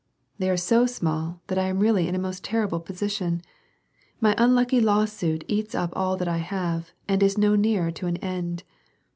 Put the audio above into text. " They are so small that I am really in a most terrible position. My unlucky lawsuit eats up all that I have, and is no nearer an end.